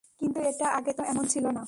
কিন্তু এটা আগে তো এমন ছিল না!